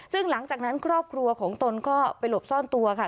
ซึ่งหลังจากนั้นครอบครัวของตนก็ไปหลบซ่อนตัวค่ะ